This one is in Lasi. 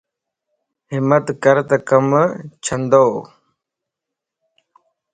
ھمت ڪرتَ ڪم چھندو